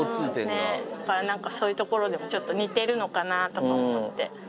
だからなんかそういうところもちょっと似てるのかなとかも思って。